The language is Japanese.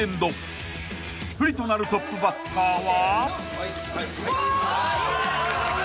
［不利となるトップバッターは］